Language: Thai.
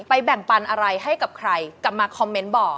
แบ่งปันอะไรให้กับใครกลับมาคอมเมนต์บอก